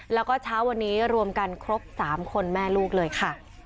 แล้วก็เช้าวันนี้รวมกันครบ๓คนแม่ลูกเลยค่ะ